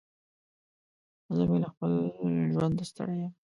زه مې له خپل ژونده ستړی يم.